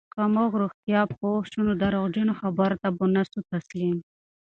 که موږ رښتیا پوه سو، نو درواغجنو خبرو ته به نه سو تسلیم.